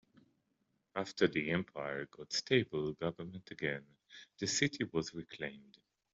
After the empire got a stable government again, the city was reclaimed.